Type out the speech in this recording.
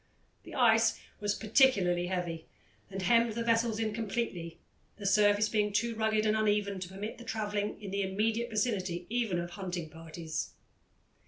The ice was particularly heavy, and hemmed the vessels in completely, the surface being too rugged and uneven to permit of travelling in the immediate vicinity even of hunting parties.